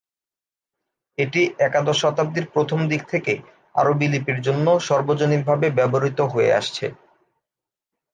এটি একাদশ শতাব্দীর প্রথম দিক থেকে আরবি লিপির জন্য সর্বজনীনভাবে ব্যবহৃত হয়ে আসছে।